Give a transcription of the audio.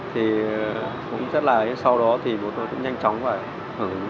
thì cũng rất là sau đó thì bố tôi cũng nhanh chóng và hưởng ứng